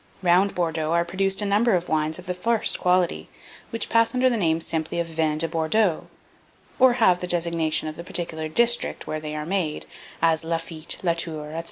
Round Bordeaux are produced a number of wines of the first quality, which pass under the name simply of vins de Bordeaux, or have the designation of the particular district where they are made; as Lafitte, Latour, &c.